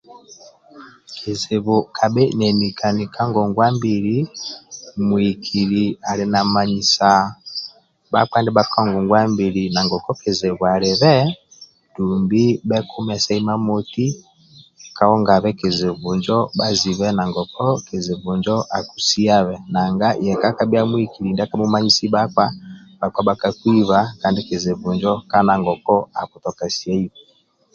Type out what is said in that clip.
Kizibu kabha naenikani kangongwambili mwkili ali na manyisa bakpa ndibhaka ngongwambili nangoku kizibu alibhe dhumbi bhekumese imamoti kahongabe kizibhu injo bhazibe nesi kizibu injo akisiyabhe nanga eyi byamwikili ndyakabhumanyisi bakpa bakakuhibha kandi kizibu njo kali nanesi akusiyabhe